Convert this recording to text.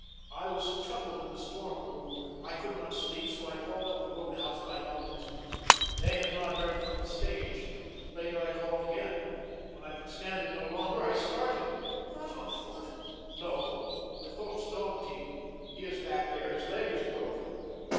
I was troubled when the storm grew. I could not sleep. So I called up the roadhouse by long distance. They had not heard from the stage. Later I called again. When I could stand it no longer, I started." "Not on foot?" "No. With Holt's dog team. He is back there. His leg is broken.